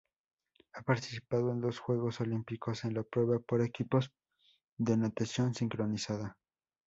Ha participado en dos Juegos Olímpicos, en la prueba por equipos de natación sincronizada.